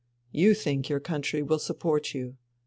You think your country will support you.